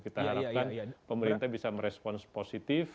kita harapkan pemerintah bisa merespons positif